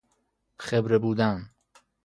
خبره بودن